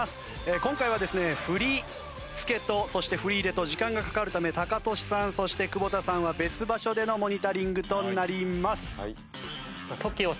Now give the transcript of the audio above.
今回はですね振り付けとそして振り入れと時間がかかるためタカトシさんそして久保田さんは別場所でのモニタリングとなります。